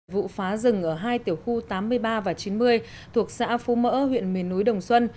vụ phá rừng ở hai tiểu khu tám mươi ba và chín mươi thuộc xã phú mỡ huyện miền núi đồng xuân